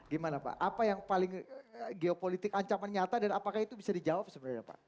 gimana pak apa yang paling geopolitik ancaman nyata dan apakah itu bisa dijawab sebenarnya pak